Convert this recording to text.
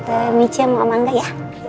kita masuk duluan ya